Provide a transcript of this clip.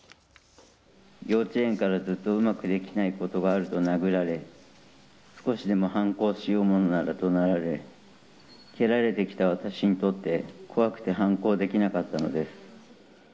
幼稚園からずっとうまくできないことがあると殴られ、少しでも反抗しようものならどなられ、蹴られてきた私にとって怖くて反抗できなかったのです。